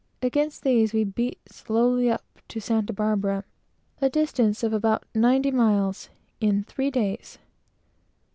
Against these, we beat slowly up to Santa Barbara a distance of about ninety miles in three days.